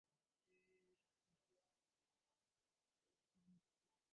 সাধনায় মগ্ন হইয়া স্বামী ক্রমে নিজের ভাবে সন্ন্যাসী হইয়া গেলেন।